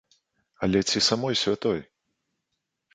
Але ці самой святой?